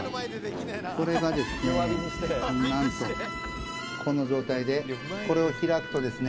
これがですねなんとこの状態でこれを開くとですね